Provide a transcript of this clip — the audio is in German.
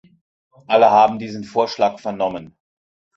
Alle haben diesen Vorschlag vernommen.